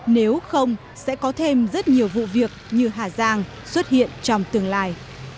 nếu không sẽ có thêm rất nhiều vụ việc như hà giang xuất hiện trong tương lai